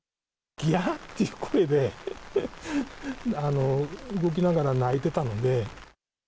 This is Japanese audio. ぎゃっていう声で、動きながら鳴いてたので。